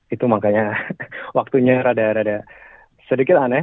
itu makanya waktunya rada rada sedikit aneh